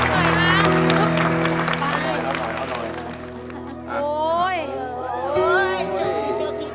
คนที่ไม่รู้สึกว่านี่เป็นใคร